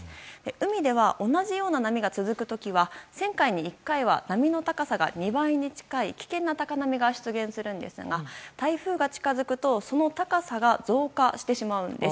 海では同じような波が続く時には１０００回に１回は波の高さが２倍に近い危険な高波が出現するんですが台風が近づくと、その高さが増加してしまうんです。